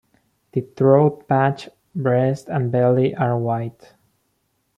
The throat patch, breast and belly are white.